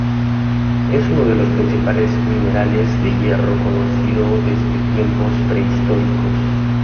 Es uno de los principales minerales de hierro conocido desde tiempos prehistóricos.